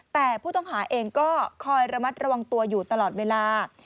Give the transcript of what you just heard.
แต่ผู้ต้องหาเองก็คอยระมัดระวังตัวอยู่ตลอดเวลา